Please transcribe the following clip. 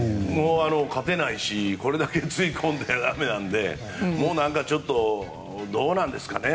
勝てないしこれだけつぎ込んで駄目なのでなんかちょっとどうなんですかね